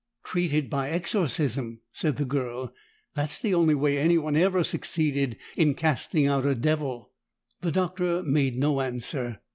"Treated by exorcism," said the girl. "That's the only way anyone ever succeeded in casting out a devil." The Doctor made no answer.